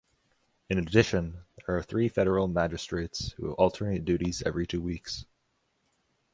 In addition, there are three federal magistrates who alternate duties every two weeks.